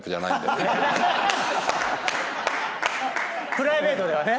プライベートではね。